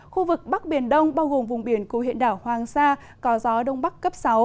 khu vực bắc biển đông bao gồm vùng biển của huyện đảo hoàng sa có gió đông bắc cấp sáu